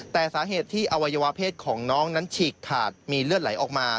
แต่สาเหตุที่อวัยวะเพศของน้องนั้นฉีกขาดมีเลือดไหลออกมา